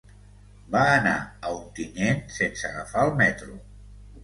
Va anar a Ontinyent sense agafar el metro.